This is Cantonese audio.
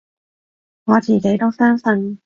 我自己都相信